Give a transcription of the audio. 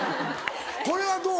これはどう？